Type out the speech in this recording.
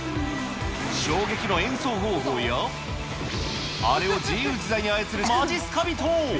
衝撃の演奏方法や、あれを自由自在に操るまじっすか人。